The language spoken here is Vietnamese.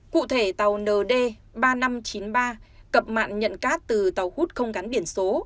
cụ thể tàu nd ba nghìn năm trăm chín mươi ba cập mặn nhận cát từ tàu hút không gắn biển số